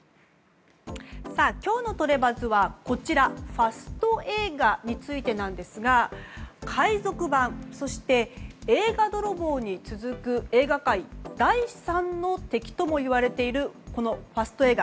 今日のトレバズはファスト映画についてですが海賊版、そして映画泥棒に続く映画界第３の敵ともいわれているこのファスト映画。